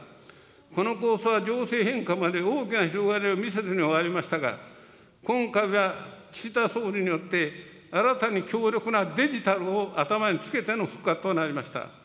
この構想は、情勢変化もあり、大きな広がりを見せずに終わりましたが、今回は岸田総理によって、新たに強力なデジタルを頭に付けての復活となりました。